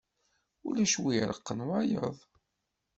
Ulac win iraqen wayeḍ.